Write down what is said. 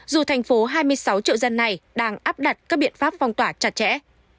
dù thành phố hai mươi sáu triệu dân này đang áp đặt các biện pháp phong tỏa chặt chẽ